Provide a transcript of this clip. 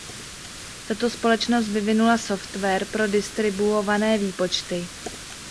Tato společnost vyvinula software pro distribuované výpočty.